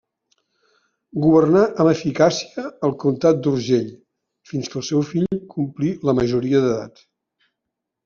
Governà amb eficàcia el comtat d'Urgell fins que el seu fill complí la majoria d'edat.